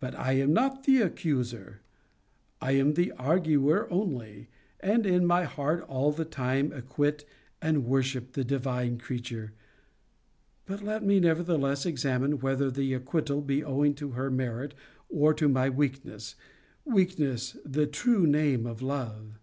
But I am not the accuser. I am the arguer only, and, in my heart, all the time acquit and worship the divine creature. 'But let me, nevertheless, examine, whether the acquital be owing to her merit, or to my weakness Weakness the true name of love!'